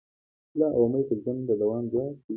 هیله او امید د ژوند د دوام ځواک دی.